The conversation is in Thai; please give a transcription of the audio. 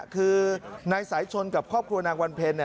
คือนายสายชนกับครอบครัวนางวันเพล